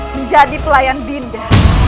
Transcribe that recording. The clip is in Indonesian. menjadi pelayan dinda